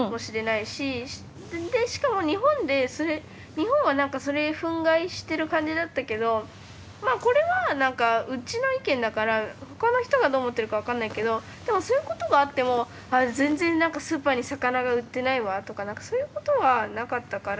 でしかも日本で日本は何かそれ憤慨してる感じだったけどまあこれは何かうちの意見だから他の人がどう思ってるか分かんないけどでもそういうことがあっても全然何かスーパーに魚が売ってないわとか何かそういうことはなかったから。